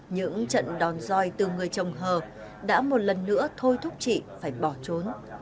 những trận đòn roi từ người chồng hờ đã một lần nữa thôi thúc chị phải bỏ trốn